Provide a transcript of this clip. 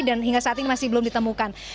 dan hingga saat ini masih belum ditemukan